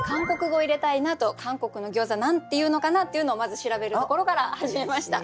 韓国の餃子何て言うのかなっていうのをまず調べるところから始めました。